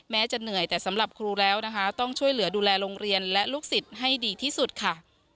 จะเหนื่อยแต่สำหรับครูแล้วนะคะต้องช่วยเหลือดูแลโรงเรียนและลูกศิษย์ให้ดีที่สุดค่ะ